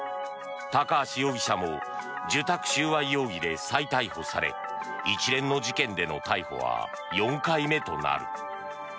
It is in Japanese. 高橋容疑者も受託収賄容疑で再逮捕され一連の事件での逮捕は４回目となる。